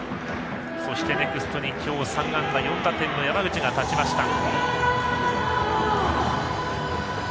そしてネクストに今日３安打４打点の山口が立ちました。